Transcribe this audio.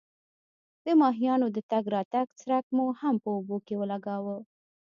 د ماهیانو د تګ راتګ څرک مو هم په اوبو کې ولګاوه.